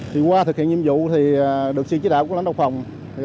thì qua thực hiện nhiệm vụ được xuyên chế đạo của lãnh đạo phòng